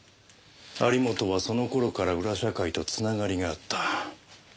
有本はその頃から裏社会と繋がりがあった。